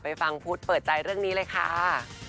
ฟังพุทธเปิดใจเรื่องนี้เลยค่ะ